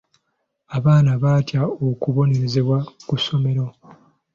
Abaana batya okubonerezebwa ku ssomero.